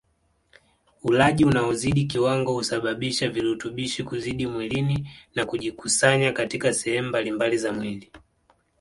Ulaji unaozidi kiwango husababisha virutubishi kuzidi mwilini na kujikusanya katika sehemu mbalimbali za mwili